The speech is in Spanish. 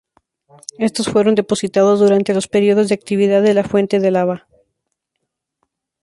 Estos fueron depositados durante los períodos de actividad de la fuente de lava.